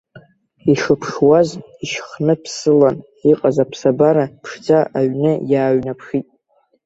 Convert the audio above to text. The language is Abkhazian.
Ишыԥшуаз ишьхныԥсылан иҟаз аԥсабара ԥшӡа аҩны иааҩнаԥшит.